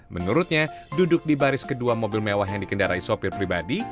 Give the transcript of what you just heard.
menurutnya duduk di baris kedua mobil mewah yang dikendarai sopir pribadi